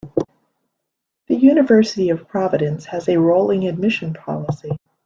The University of Providence has a rolling admission policy.